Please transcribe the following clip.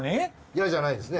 嫌じゃないですね。